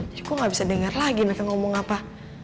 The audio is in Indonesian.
jadi gua gak bisa denger lagi mereka ngomong apa